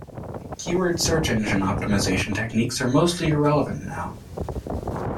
Keyword search engine optimization techniques are mostly irrelevant now.